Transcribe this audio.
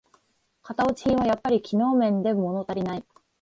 型落ち品はやっぱり機能面でものたりない